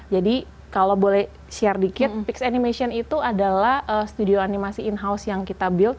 jadi kalau boleh share sedikit pix animation itu adalah studio animasi in house yang kita build